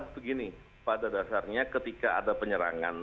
begini pada dasarnya ketika ada penyerangan